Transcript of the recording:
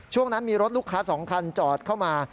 ช่วงนั้นมีรถลูกค้า๒คันจอดเข้ามา